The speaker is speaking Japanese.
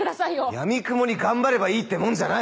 やみくもに頑張ればいいってもんじゃない。